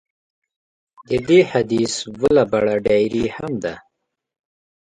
د دې حدیث بله بڼه ډایري هم ده.